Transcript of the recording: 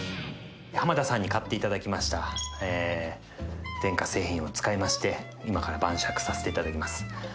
浜田さんに買っていただきました電化製品を使いまして今から晩酌させていただきます。